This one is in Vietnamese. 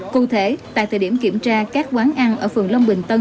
cụ thể tại thời điểm kiểm tra các quán ăn ở phường long bình tân